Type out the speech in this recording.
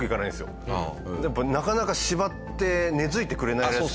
なかなか芝って根付いてくれないらしくて。